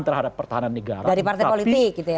terhadap pertahanan negara dari partai politik